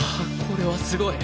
これはすごい。